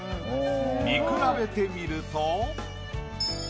見比べてみると。